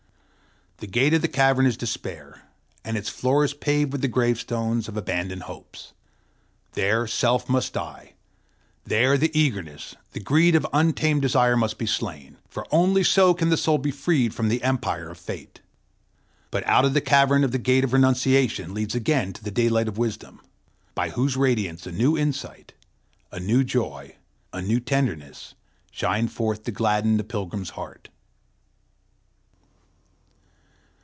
The gate of the cavern is despair, and its floor is paved with the gravestones of abandoned hopes. There Self must die; there the eagerness, the greed of untamed desire must be slain, for only so can the soul be freed from the empire of Fate. But out of the cavern the Gate of Renunciation leads again to the daylight of wisdom, by whose radiance a new insight, a new joy, a new tenderness, shine forth to gladden the pilgrim's heart.